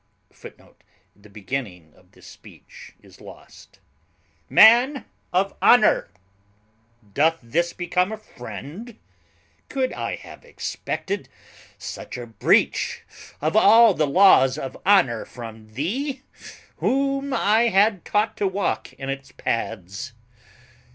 [Footnote: The beginning of this speech is lost.] "Man of honour! doth this become a friend? Could I have expected such a breach of all the laws of honour from thee, whom I had taught to walk in its paths?